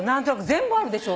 全部あるでしょ。